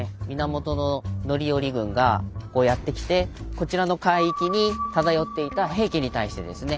源範頼軍がやって来てこちらの海域に漂っていた平家に対してですね